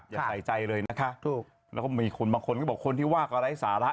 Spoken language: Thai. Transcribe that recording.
อย่าใส่ใจเลยนะคะถูกแล้วก็มีคนบางคนก็บอกคนที่ว่าก็ไร้สาระ